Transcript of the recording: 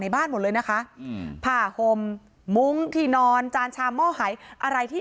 บ้านหมดเลยนะคะอืมผ้าห่มมุ้งที่นอนจานชามหม้อหายอะไรที่